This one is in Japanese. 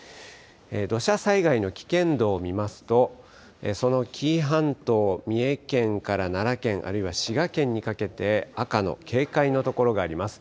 土砂災害の危険度を見ますと、その紀伊半島、三重県から奈良県、あるいは滋賀県にかけて、赤の警戒の所があります。